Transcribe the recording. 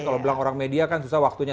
kalau bilang orang media kan susah waktunya